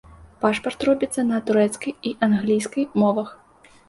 Пашпарт робіцца на турэцкай і англійскай мовах.